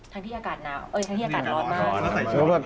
ทั้งที่อากาศร้อนมาก